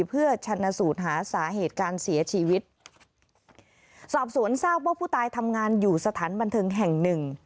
เพื่อชันสูตรหาสาเหตุการเสียชีวิตสอบสวนทราบว่าผู้ตายทำงานอยู่สถานบันเทิงแห่งหนึ่ง